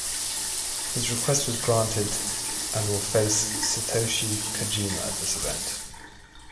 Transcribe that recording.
His request was granted and will face Satoshi Kojima at this event.